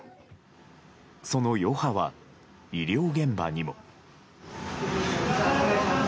その余波は医療現場にも。